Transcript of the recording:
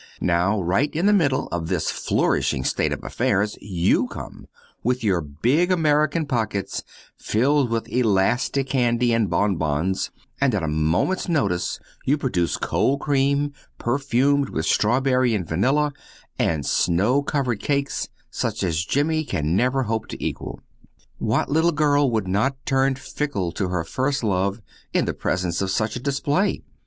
Now, right in the middle of this flourishing state of affairs you come, with your big American pockets filled with elastic candy and bon bons, and at a moment's notice you produce cold cream, perfumed with strawberry and vanilla, and snow covered cakes such as Jimmy can never hope to equal. What little girl would not turn fickle to her first love in the presence of such a display?